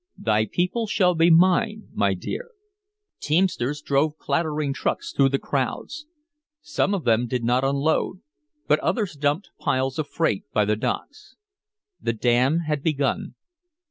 "Thy people shall be mine, my dear." Teamsters drove clattering trucks through the crowds. Some of them did not unload, but others dumped piles of freight by the docks. The dam had begun.